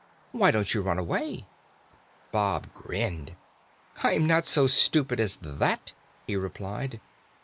'Why don't you run away?' "Bob grinned. 'I'm not so stupid as that,' he replied.